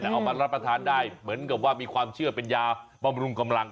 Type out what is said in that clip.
แต่เอามารับประทานได้เหมือนกับว่ามีความเชื่อเป็นยาบำรุงกำลัง